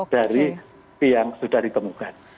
dari yang sudah ditemukan